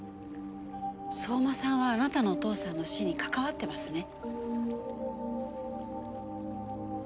相馬さんはあなたのお父さんの死にかかわってますね？